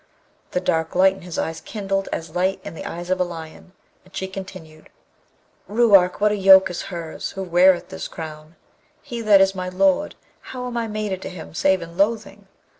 The dark light in his eyes kindled as light in the eyes of a lion, and she continued, 'Ruark, what a yoke is hers who weareth this crown! He that is my lord, how am I mated to him save in loathing?